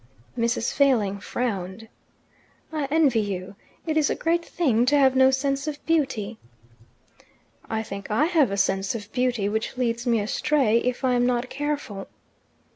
Mrs. Failing frowned. "I envy you. It is a great thing to have no sense of beauty." "I think I have a sense of beauty, which leads me astray if I am not careful."